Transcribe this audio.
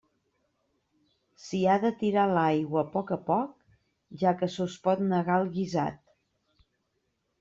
S'hi ha de tirar l'aigua a poc a poc, ja que se us pot negar el guisat.